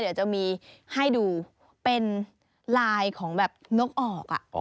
เดี๋ยวจะมีให้ดูเป็นลายของแบบนกออก